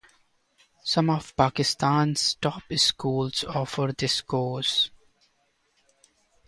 Some of Pakistan's top schools offers this course.